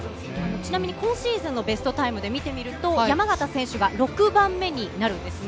ちなみに今シーズンのベストタイムで見てみると山縣選手が６番目になるんですね。